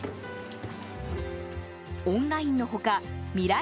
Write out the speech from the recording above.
オンラインの他未来